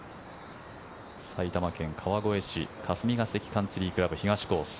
埼玉県川越市霞ヶ関カンツリー倶楽部東コース。